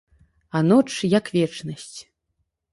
А ноч, як вечнасць.